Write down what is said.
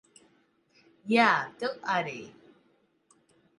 Jā, tu arī.